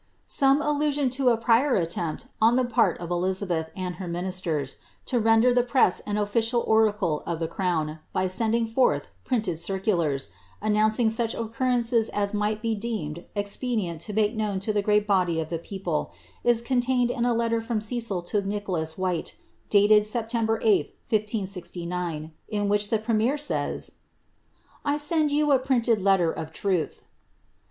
Some allusion to a prior attempt, on the part of Elizabeth and her mioisiers, to render the press an official oracle of the crown, by sending forth printed circulars, announcing such occurrences as it might be deemed expedient to make known to the great body of the people, is contained in a letter from Cecil to Nicholas Whyte, dated Sept. 8, 1569, in which the premier says —^ J send you a printed letter of truth."